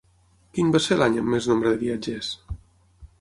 Quin va ser l'any amb més nombre de viatgers?